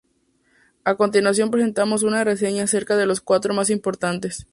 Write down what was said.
A continuación presentamos una reseña acerca de los cuatro más importantes.